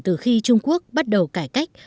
kể từ khi trung quốc bắt đầu cải cách